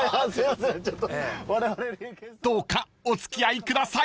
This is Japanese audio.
［どうかお付き合いください］